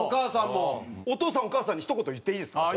お父さんお母さんにひと言言っていいですか？